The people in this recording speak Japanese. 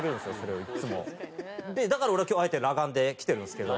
だから俺は今日はあえて裸顔で来てるんですけど。